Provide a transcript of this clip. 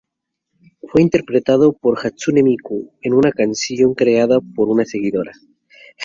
Fue interpretado por Hatsune Miku, en una canción creada por una seguidora.